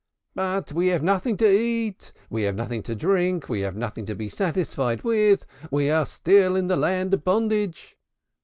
But we have nothing to eat, we have nothing to drink, we have nothing to be satisfied with, we are still in the land of bondage."